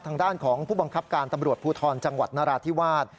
ทางด้านของผู้บังคับการตำรวจภูทรจังหวัดนราธิวาส